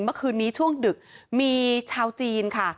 เมื่อคืนนี้ช่วงดึกมีชาวจีนค่ะ